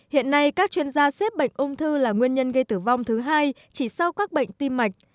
hiện nay các chuyên gia xếp bệnh ung thư là nguyên nhân gây tử vong thứ hai chỉ sau các bệnh tim mạch